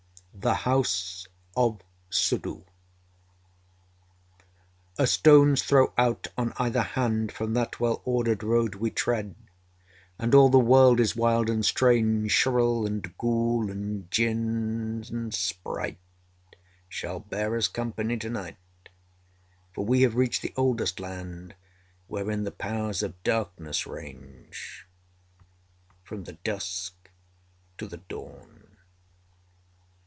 THE HOUSE OF SUDDHOO A stone's throw out on either hand From that well ordered road we tread, And all the world is wild and strange; Churel and ghoul and Djinn and sprite Shall bear us company to night, For we have reached the Oldest Land Wherein the Powers of Darkness range. From the Dusk to the Dawn.